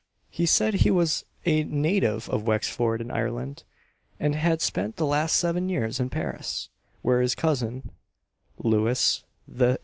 He said he was a native of Wexford in Ireland, and had spent the last seven years in Paris, where his cousin, Louis XVIII.